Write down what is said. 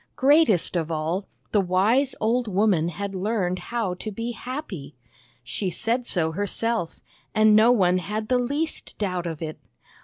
Greatest of all, the wise old woman had learned how to be happy. She said so herself, and no one had the least doubt of it.